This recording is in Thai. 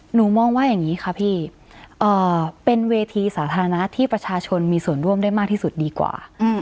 หนูมองว่าอย่างนี้ค่ะพี่เป็นเวทีสาธารณะที่ประชาชนมีส่วนร่วมได้มากที่สุดดีกว่า